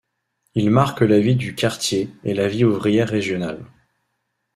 Ils marquent la vie du quartier et la vie ouvrière régionale.